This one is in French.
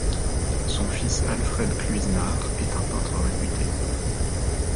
Son fils Alfred Cluysenaar est un peintre réputé.